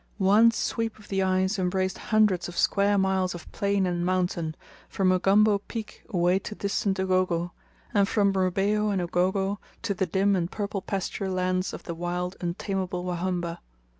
One sweep of the eyes embraced hundreds of square miles of plain and mountain, from Ugombo Peak away to distant Ugogo, and from Rubeho and Ugogo to the dim and purple pasture lands of the wild, untamable Wahumba.